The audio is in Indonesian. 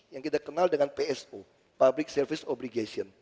yang kita kenal dengan pso public service obligation